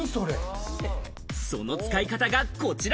その使い方がこちら。